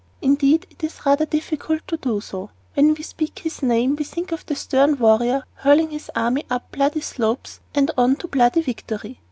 Indeed, it is rather difficult to do so. When we speak his name we think of the stern warrior hurling his armies up bloody slopes and on to bloody victory.